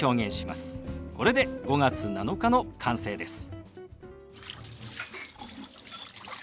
これで「５月７日」の完成です。